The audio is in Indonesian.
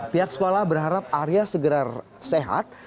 pihak sekolah berharap arya segera sehat